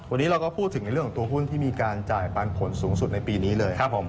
วันนี้เราก็พูดถึงในเรื่องของตัวหุ้นที่มีการจ่ายปันผลสูงสุดในปีนี้เลยครับผม